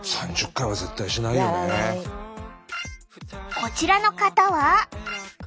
こちらの方は。